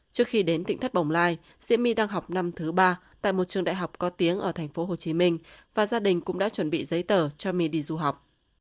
trước khi đến tỉnh thất bồng lai diệm my đang học năm thứ ba tại một trường đại học có tiếng ở tp hcm và gia đình cũng đã chuẩn bị giấy tờ cho my đi du học